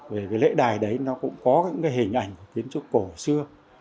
về cái lễ đài đấy nó cũng có những hình ảnh kiến trúc cổ xưa